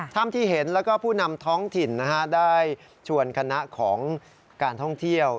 ถ้ำที่เห็นแล้วก็ผู้นำท้องถิ่นได้ชวนคณะของการท่องเที่ยว